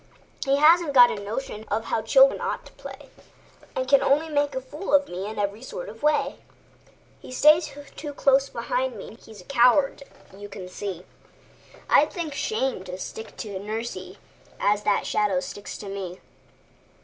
He hasn't got a notion of how children ought to play, And can only make a fool of me in every sort of way. He stays so close beside me, he's a coward you can see; I'd think shame to stick to nursie as that shadow sticks to me!